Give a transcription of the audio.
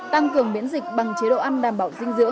tăng cường miễn dịch bằng chế độ ăn đặc